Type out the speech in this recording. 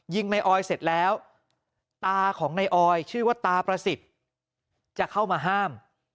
ในออยเสร็จแล้วตาของนายออยชื่อว่าตาประสิทธิ์จะเข้ามาห้าม